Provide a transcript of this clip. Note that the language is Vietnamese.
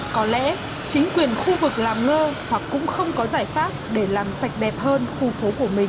có lẽ chính quyền khu vực làm ngơ hoặc cũng không có giải pháp để làm sạch đẹp hơn khu phố của mình